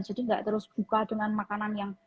jadi enggak terus buka dengan makanan yang